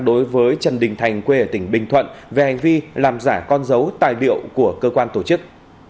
đối với trần đình thành quê ở tỉnh bình thuận về hành vi làm giả con dấu tài liệu của cơ quan tổ chức